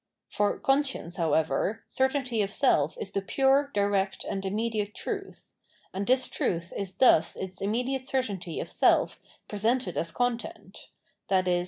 For conscience, however, certainty of self is the pure, direct, and immediate truth : and this truth is thus its immediate certainty of self presented as content ; i.e.